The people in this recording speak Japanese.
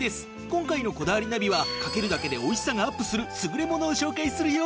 今回の『こだわりナビ』はかけるだけでおいしさがアップする優れものを紹介するよ。